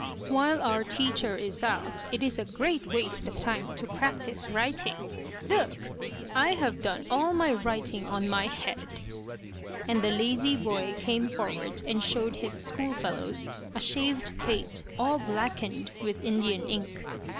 " "V "T7" ^HILE our teacher is out it is a great m X / waste f time to P rac tise writing. \/\/ Look ! I have done all my writing on my head." and the lazy boy came forward and showed his school fellows a shaved pate all blackened with Indian ink.